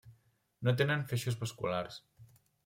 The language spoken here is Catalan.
No tenen feixos vasculars.